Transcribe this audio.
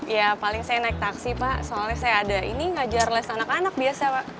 ya paling saya naik taksi pak soalnya saya ada ini hajar les anak anak biasa pak